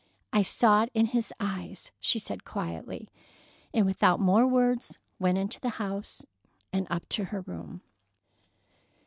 "I saw it in his eyes," she said quietly, and without more words went into the house and up to her room.